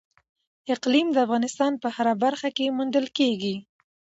اقلیم د افغانستان په هره برخه کې موندل کېږي.